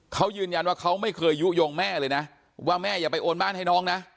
เขายืนยันว่าเขาไม่เคยยุโยงแม่เลยนะว่าแม่อย่าไปโอนบ้านให้น้องนะ